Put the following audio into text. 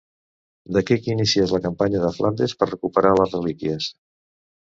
D'aquí que iniciés la campanya de Flandes per recuperar les relíquies.